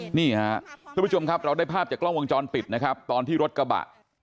นี่ครับทุกผู้ชมครับเราได้ภาพจากกล้องวงจรปิดนะครับตอนที่รถกระบะ